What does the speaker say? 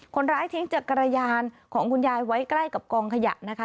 คนร้ายทิ้งจักรยานของคุณยายไว้ใกล้กับกองขยะนะคะ